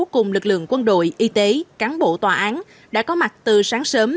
cùng lực lượng quân đội y tế cán bộ tòa án đã có mặt từ sáng sớm